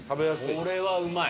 これはうまい！